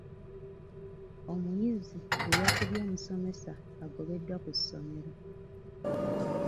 Omuyizi eyakubye omusomesa agobeddwa ku ssomero.